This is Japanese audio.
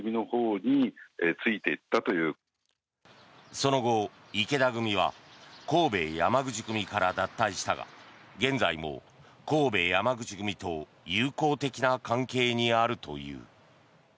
その後、池田組は神戸山口組から脱退したが現在も神戸山口組と友好的な関係にあるという。